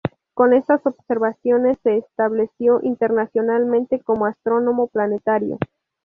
Con estas observaciones se estableció internacionalmente como astrónomo planetario.